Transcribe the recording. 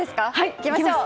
いきましょう。